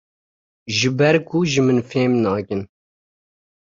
ji ber ku ji min fehm nakin.